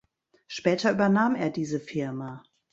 Später übernahm er diese Firma.